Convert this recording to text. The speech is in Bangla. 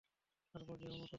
তারপর সে অনুতপ্ত হলো।